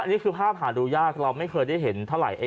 นี่คือภาพหาดูยากเราไม่เคยได้เห็นเท่าไหร่